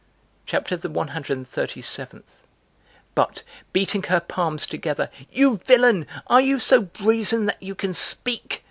CHAPTER THE ONE HUNDRED AND THIRTY SEVENTH. But, beating her palms together, "You villain, are you so brazen that you can speak?"